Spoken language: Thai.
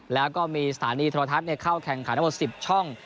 แล้วก็มีสถานีโทรทัศน์เข้าแข่งขันทั้งหมด๑๐ช่อง